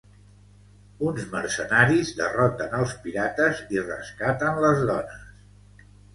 Uns mercenaris derroten els pirates i rescaten les dones.